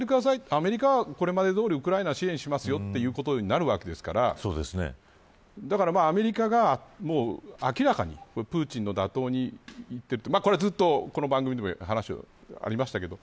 アメリカは、これまでどおりウクライナを支援するということになるわけですからアメリカが明らかにプーチンの打倒にいっているとこれはずっと、この番組でも話ありましたけれど。